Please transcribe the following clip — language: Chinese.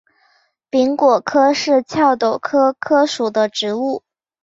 柄果柯是壳斗科柯属的植物。